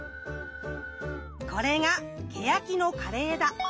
これがケヤキの枯れ枝。